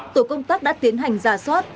tội công tác đã tiến hành giả soát